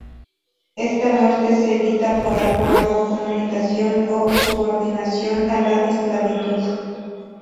Esta muerte se evita por acuerdo, comunicación o subordinación a la esclavitud.